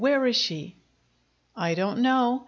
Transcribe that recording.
Where is she?" "I don't know.